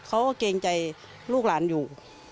เกรงใจลูกหลานอยู่